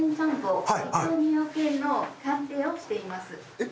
えっ！